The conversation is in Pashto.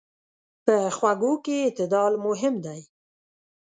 په خوږو کې اعتدال مهم دی.